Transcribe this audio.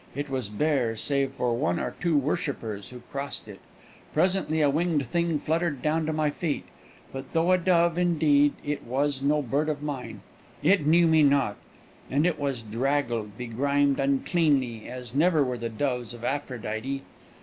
It was bare, save for one or two worshippers who crossed it. Presently a winged thing fluttered down to my feet. But though a dove indeed, it was no bird of mine it knew me not. And it was draggled, begrimed, uncleanly, as never were the doves of Aphrodite.